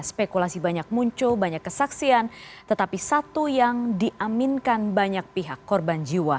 spekulasi banyak muncul banyak kesaksian tetapi satu yang diaminkan banyak pihak korban jiwa